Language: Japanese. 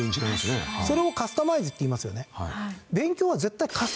それをカスタマイズって言いますよね。